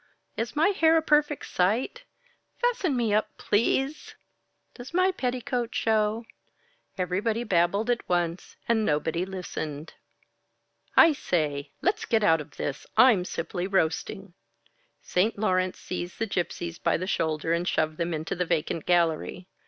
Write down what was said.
"Is my hair a perfect sight?" "Fasten me up please!" "Does my petticoat show?" Everybody babbled at once, and nobody listened. "I say, let's get out of this I'm simply roasting!" St. Laurence seized the Gypsies by the shoulder and shoved them into the vacant gallery.